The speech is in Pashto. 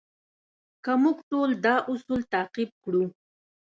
که موږ ټول دا اصول تعقیب کړو.